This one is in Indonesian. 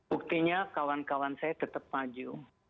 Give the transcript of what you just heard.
buktinya kawan kawan saya tetap maju